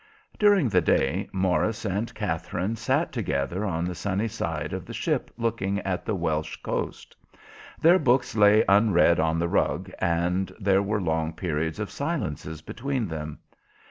During the day Morris and Katherine sat together on the sunny side of the ship looking at the Welsh coast. Their books lay unread on the rug, and there were long periods of silences between them.